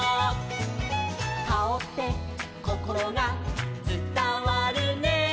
「カオってこころがつたわるね」